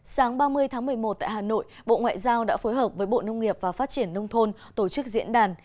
sáng ba mươi tháng một mươi một tại hà nội bộ ngoại giao đã phối hợp với bộ nông nghiệp và phát triển nông thôn tổ chức diễn đàn